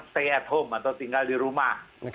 stay at home atau tinggal di rumah